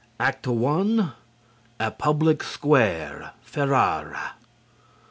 ACT I _A Public Square, Ferrara.